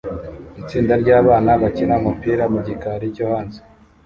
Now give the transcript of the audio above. Itsinda ryabana bakina umupira mu gikari cyo hanze